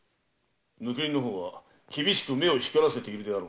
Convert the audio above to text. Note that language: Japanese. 抜け荷の方は厳しく目を光らせているであろうな。